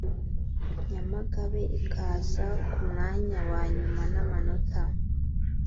Nyamagabe ikaza ku mwanya wa nyuma n amanota